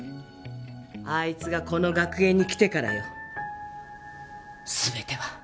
あいつがこの学園に来てからよ全ては！